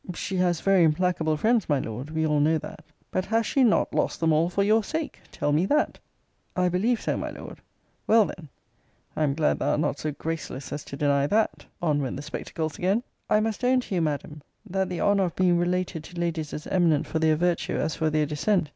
She has very implacable friends, my Lord: we all know that. But has she not lost them all for your sake? Tell me that. I believe so, my Lord. Well then! I am glad thou art not so graceless as to deny that. On went the spectacles again 'I must own to you, Madam, that the honour of being related to ladies as eminent for their virtue as for their descent.'